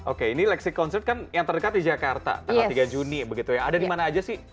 oke ini lexic concert kan yang terdekat di jakarta tanggal tiga juni begitu ya ada di mana aja sih